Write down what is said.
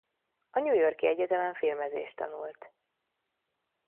A New York-i egyetemen filmezést tanult.